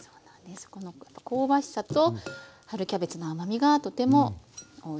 この香ばしさと春キャベツの甘みがとてもおいしいコールスローです。